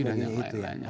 dan sebagainya lain lain